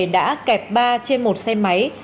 đã kẹp ba trên một xe máy